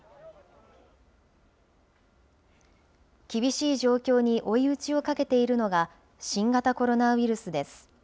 厳しい状況に追い打ちをかけているのが、新型コロナウイルスです。